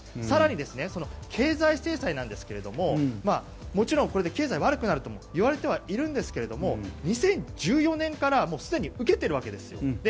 更に、経済制裁なんですがもちろんこれで経済が悪くなるともいわれてはいるんですけども２０１４年からすでに受けているわけですよ。